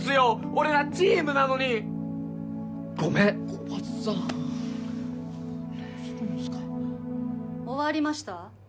俺らチームなのにごめんコバトさんどうしたんすか終わりました？